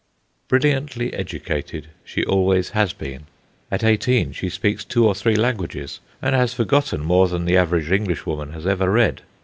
Brilliantly educated she always has been. At eighteen she speaks two or three languages, and has forgotten more than the average Englishwoman has ever read.